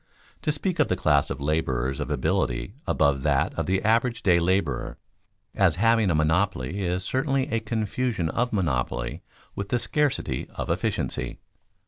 To speak of the class of laborers of ability above that of the average day laborer as having a monopoly is certainly a confusion of monopoly with the scarcity of efficiency.